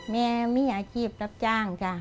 แม่มีอาชีพรับจ้างจ้ะ